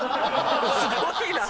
すごいな。